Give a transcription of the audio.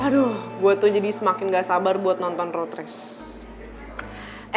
aduh gue tuh jadi semakin gak sabar buat nonton road race